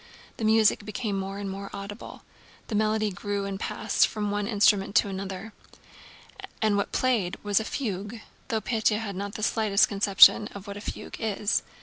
The music became more and more audible. The melody grew and passed from one instrument to another. And what was played was a fugue—though Pétya had not the least conception of what a fugue is.